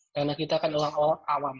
karena kita kan orang awam